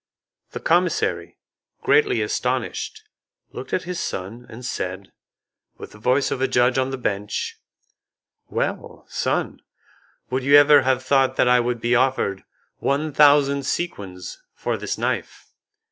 The commissary, greatly astonished, looked at his son, and said, with the voice of a judge on the bench, "Well, son, would you ever have thought that I would be offered one thousand sequins for this knife?"